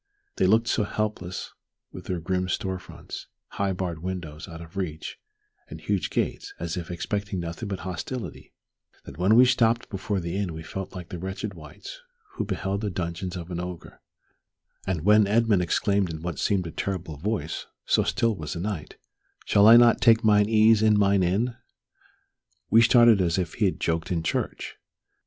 They looked so hopeless with their grim stone fronts, high barred windows out of reach, and huge gates, as if expecting nothing but hostility, that when we stopped before the inn we felt like the wretched wights who beheld the dungeons of an ogre; and when Edmund exclaimed in what seemed a terrible voice, so still was the night, "Shall I not take mine ease in mine inn?" we started as if he had joked in church.